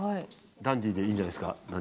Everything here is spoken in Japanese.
ダンディーでいいんじゃないですか？